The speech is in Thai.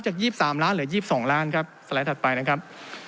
๒๓ล้านเหลือ๒๒ล้านครับสไลด์ถัดไปนะครับ